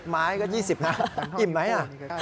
ไม้ก็๒๐นะอิ่มไหม